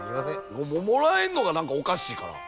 もももらえるのが何かおかしいから。